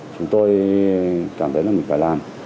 chúng tôi cảm thấy là mình phải làm